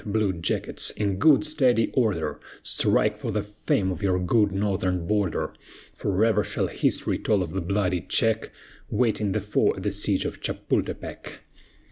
blue jackets, in good steady order, Strike for the fame of your good northern border; Forever shall history tell of the bloody check Waiting the foe at the siege of Chapultepec.